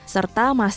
serta masih remehkan